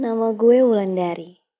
nama gue mulan dari